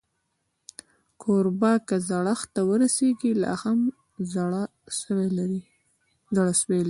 کوربه که زړښت ته ورسېږي، لا هم زړهسوی لري.